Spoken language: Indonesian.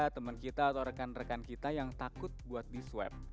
temen kita atau rekan rekan kita yang takut buat diswep